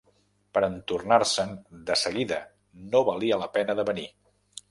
Pera entornar-se'n desseguida no valia la pena de venir